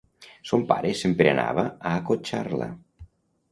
Son pare sempre anava a acotxar-la.